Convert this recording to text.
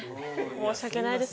申し訳ないです